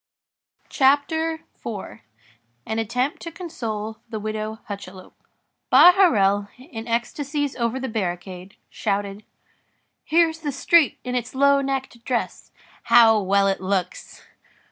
CHAPTER IV—AN ATTEMPT TO CONSOLE THE WIDOW HUCHELOUP Bahorel, in ecstasies over the barricade, shouted:— "Here's the street in its low necked dress! How well it looks!"